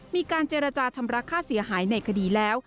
มีการเจรจาชำระค่าเสียหายในคดีแล้ว